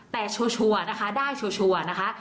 แต่ชัวร์นะคะได้ชัวร์นะคะ